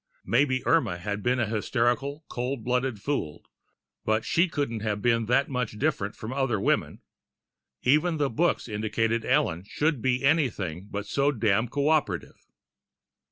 Maybe Irma had been a hysterical, cold blooded fool, but she couldn't have been that much different from other women even the books indicated Ellen should be anything but so damned coöperative!